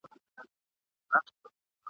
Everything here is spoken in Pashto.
چي یوه خدای ته زر کلونه پر سجده وو کلی ..